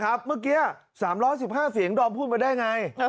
เมื่อกี้๓๑๕เสียงดอมพูดมาได้ไง